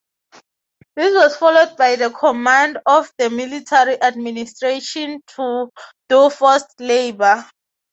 This was followed by the command of the military administration to do forced labor.